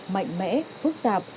mạnh mẽ phức tạp